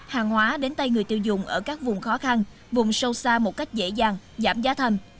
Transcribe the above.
hàng hóa đến tay người tiêu dùng ở các vùng khó khăn vùng sâu xa một cách dễ dàng giảm giá thâm